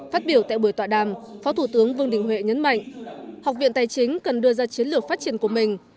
phát biểu tại buổi tọa đàm phó thủ tướng vương đình huệ nhấn mạnh học viện tài chính cần đưa ra chiến lược phát triển của mình